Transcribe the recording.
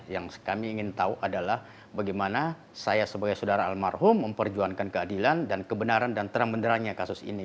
yang kami ingin tahu adalah bagaimana saya sebagai saudara almarhum memperjuangkan keadilan dan kebenaran dan terang benerannya kasus ini